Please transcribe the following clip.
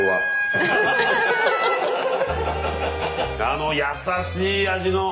あの優しい味の。